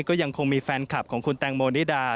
ก็ยังคงมีแฟนคลับของคุณแตงโมนิดา